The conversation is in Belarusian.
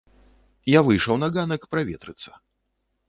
Я выйшаў на ганак праветрыцца.